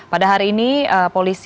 pada hari ini